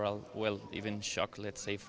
bahkan bahkan kaya untuk kita